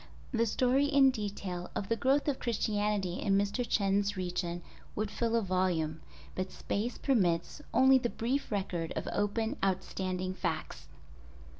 The story in detail of the growth of Christianity in Mr. Chen's region would fill a volume, but space permits only the brief record of open outstanding facts.